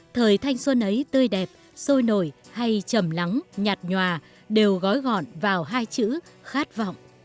thời thanh xuân ấy tươi đẹp sôi nổi hay chầm lắng nhạt nhòa đều gói gọn vào hai chữ khát vọng